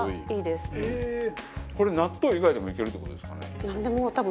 これ納豆以外でもいけるって事ですかね？